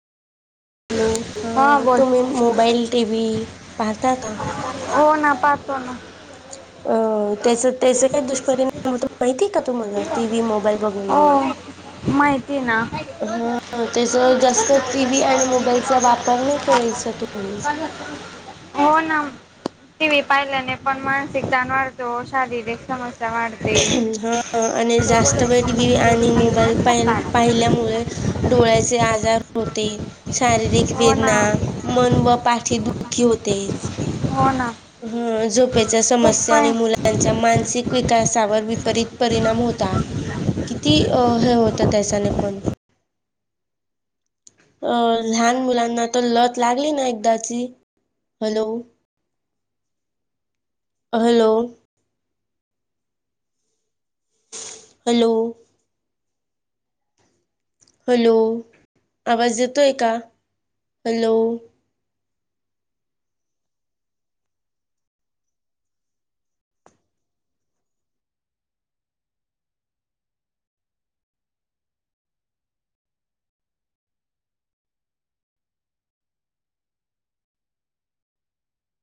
हा हॅलो बोल तुम्ही मोबाईल टी व्ही पाहता का हो ना पाहतो ना अ त्याच त्याच काय दुष्परिणाम होतात माहिती आहे का तुम्हाला टी व्ही मोबाईल बघून हो म माहिती ना हा त्याचा जास्त टी व्ही आणि मोबाईलचा वापर नाही करायचा तुम्ही हो ना टी व्ही पाहिल्याने पण, मानसिक ताण वाढतो, शारीरिक समस्या वाढत ह, आणि जास्त ववेळ टी. वी आणि मोबाईल प पाहिल्यामुळे, डोळ्याचे आजार होते. शारीरिक हो ना वेदना, मन व पाठी दुखी होते. हो ना. हम्म! झोपच्या खूप समस्या आणि पण मु त्यांच्या मानसिक विकासावर, विपरीत परिणाम होता किती अ हे होतं त्यासाने पण अ लहान मुलांना तर लत लागली ना एकदाची, हॅलो? हॅलो? हॅलो? हॅलो? आवाज येतोय का? हॅलो?